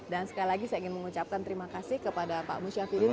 sekali lagi saya ingin mengucapkan terima kasih kepada pak musyafidin